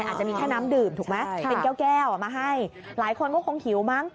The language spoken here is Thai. อาจจะมีแค่น้ำดื่มถูกไหมเป็นแก้วแก้วมาให้หลายคนก็คงหิวมั้ง